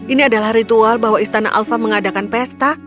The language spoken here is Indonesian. ini adalah ritual bahwa istana alfa mengadakan pesta